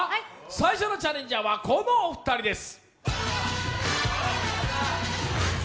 最初のチャレンジャーはこのお二人です。